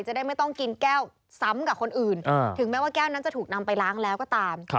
จะได้ไม่ต้องกินแก้วซ้ำกับคนอื่นถึงแม้ว่าแก้วนั้นจะถูกนำไปล้างแล้วก็ตาม